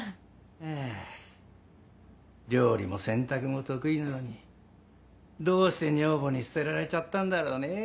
あぁ料理も洗濯も得意なのにどうして女房に捨てられちゃったんだろうねぇ。